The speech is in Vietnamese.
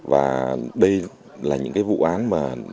và đây là những vụ án mà